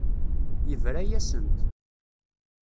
Yebra-yasent.